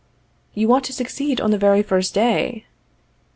_ You ought to succeed on the very first day.